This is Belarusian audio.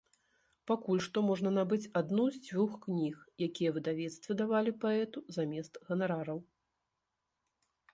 Пакуль што можна набыць адну з дзвюх кніг, якія выдавецтвы давалі паэту замест ганарараў.